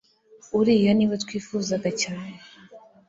uriya niwe twifuzaga cyane